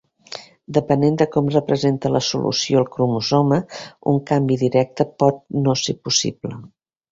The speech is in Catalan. Depenent de com representa la solució el cromosoma, un canvi directe pot no ser possible.